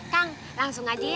kang langsung aja ya